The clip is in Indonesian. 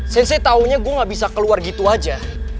sensei taunya gue gak bisa keluar gitu aja